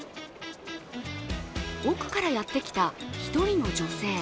奥からやってきた１人の女性。